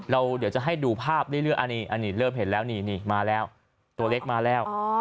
เราเดี๋ยวจะให้ดูภาพเริ่มเห็นแล้วตัวเล็กมาแล้ว